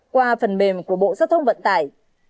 qua phần mềm của bộ giao thông vận tải